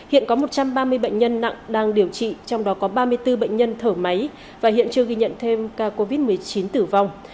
hiện có một trăm ba mươi bệnh nhân nặng đang điều trị trong đó có ba mươi bốn bệnh nhân thở máy và hiện chưa ghi nhận thêm ca covid một mươi chín tử vong